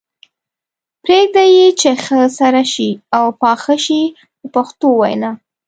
پرېږدي یې چې ښه سره شي او پاخه شي په پښتو وینا.